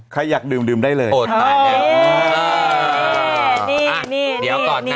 ใครอยากดื่มดื่มได้เลย